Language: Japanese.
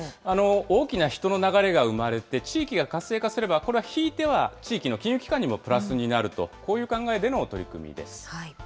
大きな人の流れが生まれて、地域が活性化すれば、これはひいては地域の金融機関にもプラスになると、こういう考えでの取り組みです。